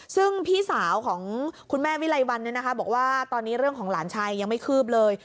ซึ่งพี่สาวของคุณแม่วิไลวันบอกว่าตอนนี้เรื่องของหลานชายยังไม่คืบเลย